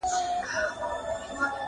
بُت خانه به مي د زړه لکه حرم کا,